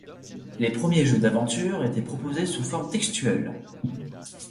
Les premiers jeux d'aventure étaient proposés sous forme textuelle.